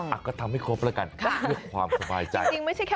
อ่ะก็ทำให้ครบแล้วกันเพื่อความสบายใจ